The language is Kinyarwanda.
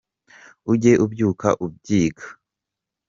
Ujye ubyuka ubyiga